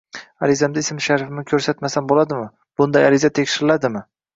Arizamda ism-sharifimni ko‘rsatmasam bo‘ladimi? Bunday ariza tekshiriladimi?